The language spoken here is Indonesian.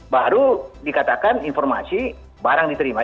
baru dikatakan informasi barang diterima